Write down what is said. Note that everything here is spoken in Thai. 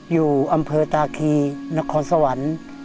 อยู่อำเภอตาคีนครสวรรค์